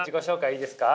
いいですか。